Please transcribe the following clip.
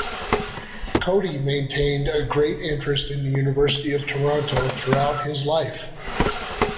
Cody maintained a great interest in the University of Toronto throughout his life.